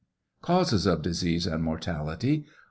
CAUSES OP DISEASE AND MORTALITY.